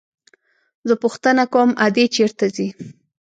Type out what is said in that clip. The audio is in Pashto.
زه پوښتنه کوم ادې چېرته ځي.